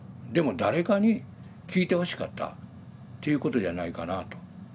でも誰かに聞いてほしかったということじゃないかなあと。